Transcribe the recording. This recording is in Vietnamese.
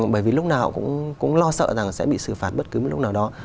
bởi vì lúc nào cũng lo sợ rằng sẽ bị xử phạt bất cứ một lúc nào đó